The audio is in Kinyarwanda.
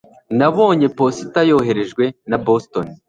nabonye posita yoherejwe na boston